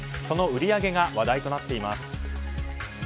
その売り上げが話題となっています。